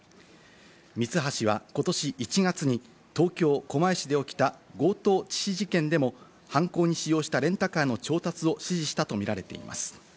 ミツハシはことし１月に東京・狛江市で起きた強盗致死事件でも、犯行に使用したレンタカーの調達を指示したとみられています。